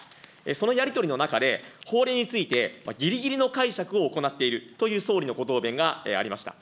そのやり取りの中で、法令について、ぎりぎりの解釈を行っているという総理のご答弁がありました。